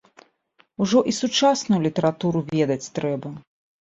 Ужо і сучасную літаратуру ведаць трэба.